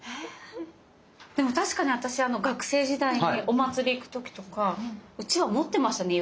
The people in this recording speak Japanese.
でも確かに私学生時代にお祭り行く時とかうちわ持ってましたね。